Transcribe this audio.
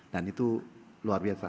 dan itu luar biasa